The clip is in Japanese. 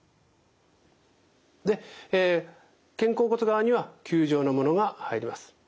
で肩甲骨側には球状のものが入ります。